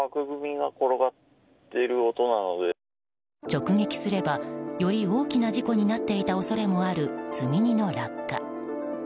直撃すれば、より大きな事故になっていた恐れもある積み荷の落下。